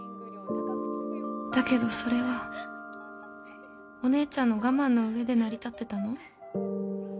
だけどそれはお姉ちゃんの我慢の上で成り立ってたの？